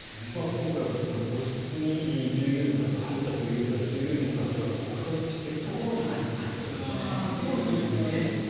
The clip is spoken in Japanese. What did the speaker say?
今回も、個室に従業員の方が入ったというよりは従業員の方が片付けをしているところに入っていったという。